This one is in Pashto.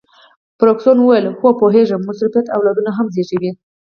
فرګوسن وویل: هو، پوهیږم، مصروفیت اولادونه هم زیږوي.